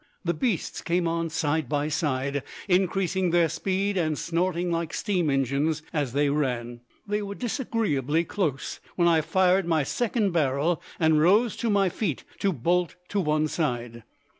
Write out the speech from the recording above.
The beasts came on side by side, increasing their speed and snorting like steam engines as they ran. They were disagreeably close when I fired my second barrel and rose to my feet to bolt to one side.